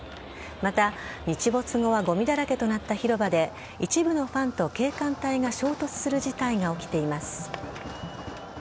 また、日没後はごみだらけとなった広場で一部のファンと警官隊が衝突する事態が起きています。